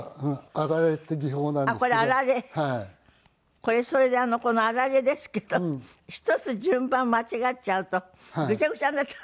これそれでこのあられですけど１つ順番間違っちゃうとグチャグチャになっちゃう。